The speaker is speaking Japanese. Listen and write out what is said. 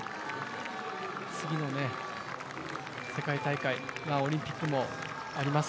次の世界大会、オリンピックもあります